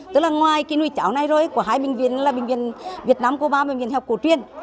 tức là ngoài cái nồi cháo này rồi của hai bệnh viện là bệnh viện việt nam cô ba và bệnh viện học cổ truyền